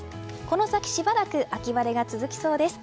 この先しばらく秋晴れが続きそうです。